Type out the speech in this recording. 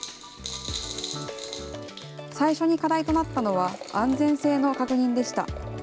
最初に課題となったのは、安全性の確認でした。